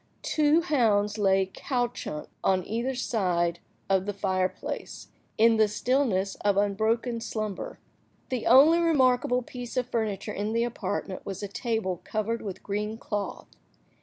Two hounds lay couchant on either side of the fire–place, in the stillness of unbroken slumber. The only remarkable piece of furniture in the apartment was a table covered with green cloth.